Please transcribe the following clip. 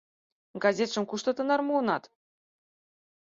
— Газетшым кушто тынар муынат?